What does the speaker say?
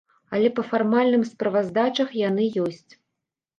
Але па фармальным справаздачах яны ёсць.